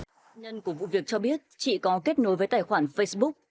nạn nhân của vụ việc cho biết chỉ có kết nối với tài khoản facebook